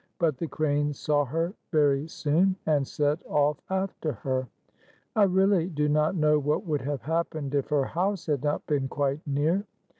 But the cranes saw her very soon, and set off after her. I really do not know what would have happened, if her house had not been quite near.